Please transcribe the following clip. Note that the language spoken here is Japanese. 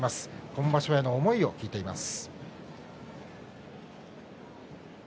今場所への思いを聞いています。